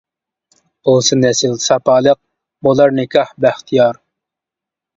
بولسا نەسىل ساپالىق، بولار نىكاھ بەختىيار.